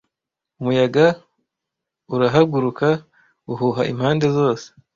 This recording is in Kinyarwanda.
umuyaga urahaguruka uhuha impande zose